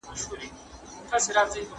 ایا افغان سوداګر چارمغز اخلي؟